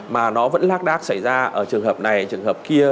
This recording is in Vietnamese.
mà nó vẫn lác đác xảy ra ở trường hợp này trường hợp kia